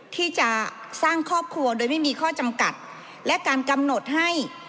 ที่จะสร้างครอบครัวโดยไม่มีข้อจำกัดและการกำหนดให้